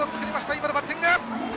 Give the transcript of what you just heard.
今のバッティング。